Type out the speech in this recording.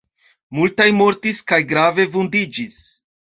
Multaj mortis kaj grave vundiĝis.